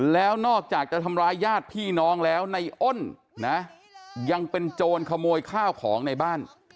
แล้วนอกจากจะทำร้ายญาติพี่น้องแล้วในอ้นนะยังเป็นโจรขโมยข้าวของในบ้าน